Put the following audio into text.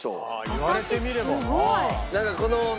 言われてみればなあ。